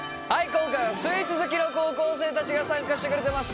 今回はスイーツ好きの高校生たちが参加してくれてます。